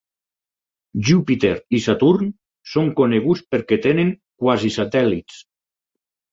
Júpiter i Saturn són coneguts perquè tenen quasi-satèl·lits.